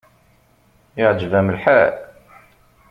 Iɛǧeb-am lḥal?